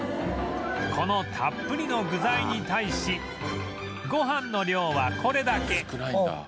このたっぷりの具材に対しごはんの量はこれだけ